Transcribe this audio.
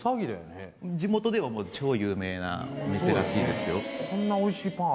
地元ではもう超有名なお店らしいですよ。